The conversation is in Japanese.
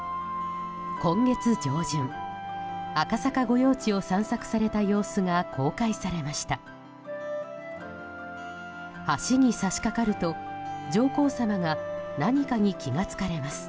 今月上旬、赤坂御用地を散策された様子が公開されました。